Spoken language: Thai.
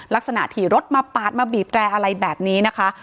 ลักษณะถี่รถมาปาดมาบีบแรร์อะไรแบบนี้นะคะ